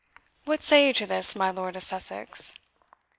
What say you to this, my Lord of Sussex?"